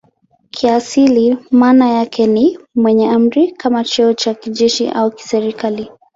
Kiasili maana yake ni "mwenye amri" kama cheo cha kijeshi au kiserikali.